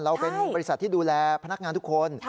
เราเป็นบริษัทที่ดูแลพนักงานทุกคน